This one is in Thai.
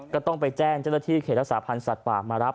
ก็ต้องไปแจ้งเจ้าหน้าที่เขตรักษาพันธ์สัตว์ป่ามารับ